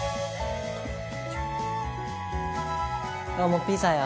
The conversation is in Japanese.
大西：もうピザや。